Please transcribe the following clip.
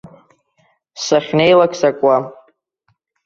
Сахьнеилак сакуам.